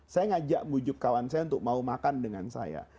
saya ngajak bujuk kawan saya untuk mau makan dengan saya